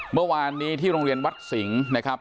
เมื่อวานนี้ที่โรงเรียนวัดสิงห์นะครับ